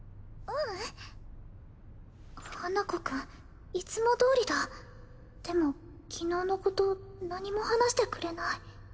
ううん花子くんいつもどおりだでも昨日のこと何も話してくれない